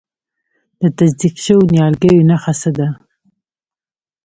د تصدیق شویو نیالګیو نښه څه ده؟